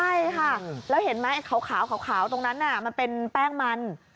ใช่ค่ะแล้วเห็นไหมขาวตรงนั้นมันเป็นแป้งมัน